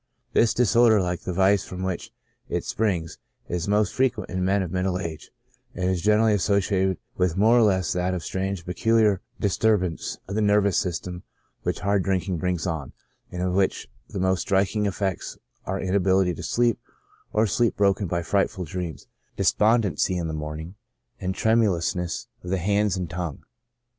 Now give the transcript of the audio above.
" This disorder, like the vice from which it springs, is most frequent in men of middle age, and is generally as sociated with more or less of that strange and peculiar dis turbance of the nervous system which hard drinking brings on,'^and of which the most striking effects are inability to sleep, or sleep broken by frightful dreams, despondency IMMEDIATE CAUSES. 65 in the morning, and tremulousness of the hands and tongue."